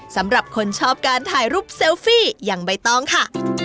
สำหรับคนชอบการถ่ายรูปเซลฟี่อย่างใบตองค่ะ